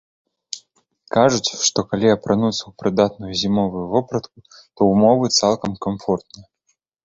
Кажуць, што калі апрануцца ў прыдатную зімовую вопратку, то ўмовы цалкам камфортныя.